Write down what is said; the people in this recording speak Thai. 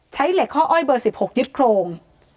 ใช้เหล็กข้ออ้อยเบอร์๑๖ยึดโครง